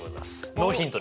ノーヒントで。